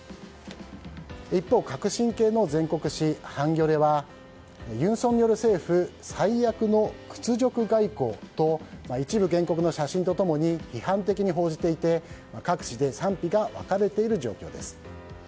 一方、革新系の全国紙ハンギョレは尹錫悦政府、最悪の屈辱外交と一部原告の写真と共に批判的に報じていて各紙で賛否が分かれている状況です。